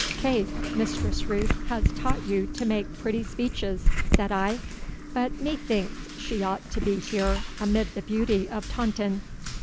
'Faith, Mistress Ruth has taught you to make pretty speeches,' said I, 'but methinks she ought to be here amid the beauty of Taunton.